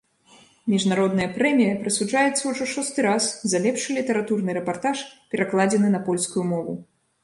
Міжнародная прэмія прысуджаецца ўжо шосты раз за лепшы літаратурны рэпартаж, перакладзены на польскую мову.